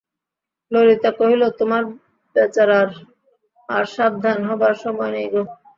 ললিতা কহিল, তোমার বেচারার আর সাবধান হবার সময় নেই গো।